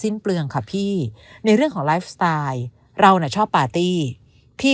เปลืองค่ะพี่ในเรื่องของไลฟ์สไตล์เราน่ะชอบปาร์ตี้พี่